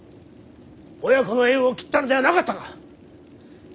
親子の縁を切ったのではなかったか。